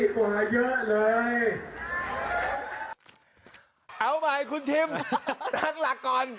ผมจะช่วยคุณธิบตั้งหลักก่อน